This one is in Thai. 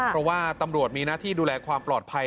เพราะว่าตำรวจมีหน้าที่ดูแลความปลอดภัย